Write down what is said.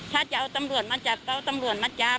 ถ้าจะเอาตำรวจมาจับก็เอาตำรวจมาจับ